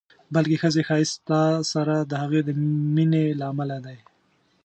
بلکې ښځې ښایست ستا سره د هغې د مینې له امله دی.